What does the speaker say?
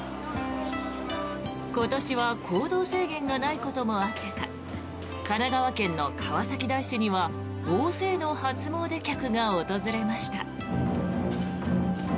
今年は行動制限がないこともあってか神奈川県の川崎大師には大勢の初詣客が訪れました。